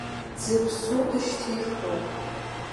Дзыԥсу дышьҭихроуп.